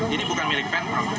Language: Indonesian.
ini bukan milik penpro